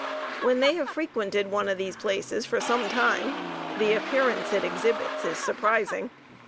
When they have frequented one of these places for some time the appearance it exhibits is surprising.